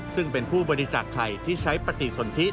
ซึ่งเป็นผู้บริจาคไข่ที่ใช้ปฏิสนทิ